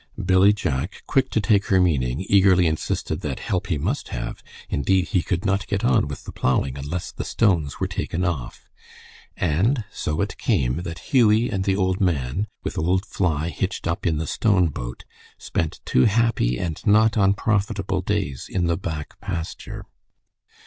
Billy Jack, quick to take her meaning, eagerly insisted that help he must have, indeed he could not get on with the plowing unless the stones were taken off. And so it came that Hughie and the old man, with old Fly hitched up in the stone boat, spent two happy and not unprofitable days in the back pasture.